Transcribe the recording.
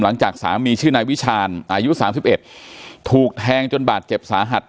หลังจากสามีชื่อนายวิชาญอายุ๓๑ถูกแทงจนบาดเจ็บสาหัส